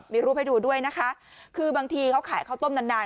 มีรูปให้ดูด้วยนะคะคือบางทีเขาขายข้าวต้มนานนาน